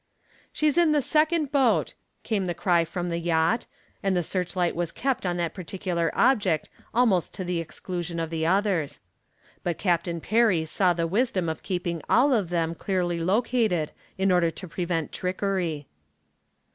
"She's in the second boat," came the cry from the yacht, and the searchlight was kept on that particular object almost to the exclusion of the others. But Captain Perry saw the wisdom of keeping all of them clearly located in order to prevent trickery.